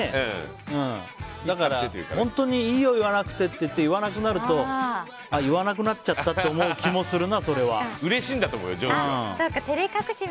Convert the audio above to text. だから本当にいいよ、言わなくてって言わなくなるとあ、言わなくなっちゃったってうれしいんだと思うよ、上司は。